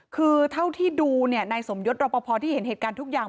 คือเท่าที่ดูนายสมยศรอปภที่เห็นเหตุการณ์ทุกอย่าง